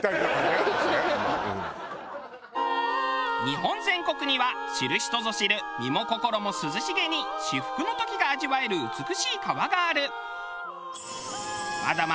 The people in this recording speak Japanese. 日本全国には知る人ぞ知る身も心も涼しげに至福の時が味わえる美しい川がある。